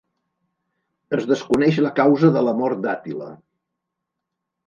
Es desconeix la causa de la mort d'Àtila.